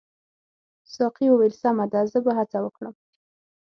ساقي وویل سمه ده زه به هڅه وکړم.